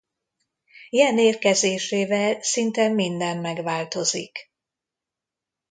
Jen érkezésével szinte minden megváltozik.